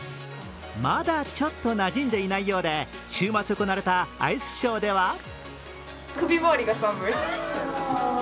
まだちょっとなじんでいないようで週末行われたアイスショーでは